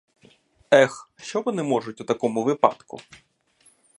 Ех, що вони можуть у такому випадку?